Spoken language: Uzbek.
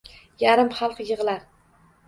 Yarim xalq yig’lar.